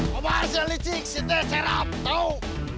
kau harusnya licik si te serap tau